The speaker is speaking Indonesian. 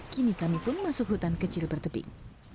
kini kami pun masuk hutan kecil berteping